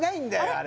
あれ